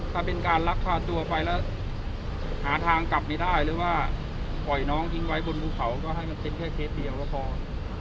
ถ้าเป็นการลักพาตัวไปแล้วหาทางกลับไม่ได้หรือว่าปล่อยน้องทิ้งไว้บนภูเขาก็ให้มันเป็นแค่เคสเดียวก็พอ